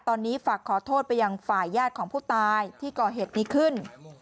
ตอนนี้ฝากขอโทษไปยังฝ่ายญาติของผู้ตายที่ก่อเหตุนี้ขึ้น